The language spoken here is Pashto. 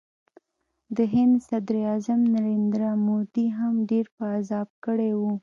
د هند صدراعظم نریندرا مودي هم ډېر په عذاب کړی و